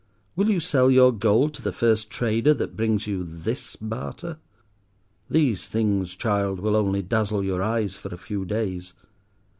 Will you sell your gold to the first trader that brings you this barter? These things, child, will only dazzle your eyes for a few days.